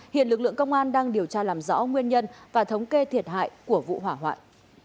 hiện lực lượng công an đang điều tra làm rõ nguyên nhân và thống kê thiệt hại của vụ hỏa hoạn